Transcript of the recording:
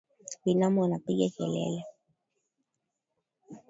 Binamu anapiga kelele.